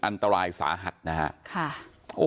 อันตรายสาหัสนะครับ